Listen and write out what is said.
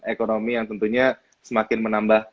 ekonomi yang tentunya semakin menambah